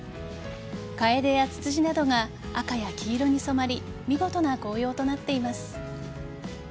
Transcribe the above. カエデやツツジなどが赤や黄色に染まり見事な紅葉となっています。